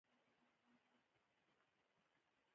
آیا دا نوم به بدل کړل شي که په خپل ځای پاتې شي؟